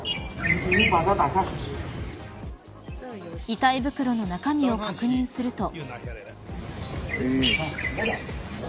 遺体袋の中身を確認すると。